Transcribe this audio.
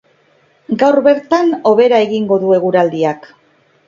Gaur bertan hobera egingo du eguraldiak.